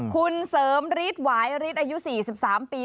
คุณเสริมรีดหวายรีดอายุ๔๓ปี